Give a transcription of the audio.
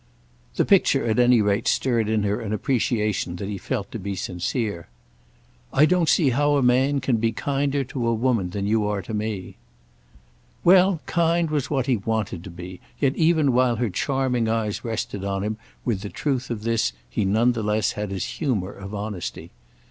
The picture at any rate stirred in her an appreciation that he felt to be sincere. "I don't see how a man can be kinder to a woman than you are to me." Well, kind was what he wanted to be; yet even while her charming eyes rested on him with the truth of this he none the less had his humour of honesty.